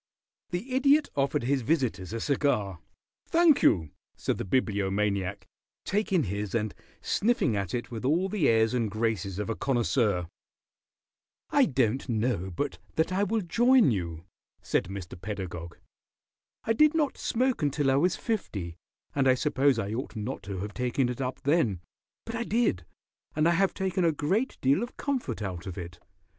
The Idiot offered his visitors a cigar. "Thank you," said the Bibliomaniac, taking his and sniffing at it with all the airs and graces of a connoisseur. [Illustration: "'I DID NOT SMOKE UNTIL I WAS FIFTY'"] "I don't know but that I will join you," said Mr. Pedagog. "I did not smoke until I was fifty, and I suppose I ought not to have taken it up then, but I did, and I have taken a great deal of comfort out of it.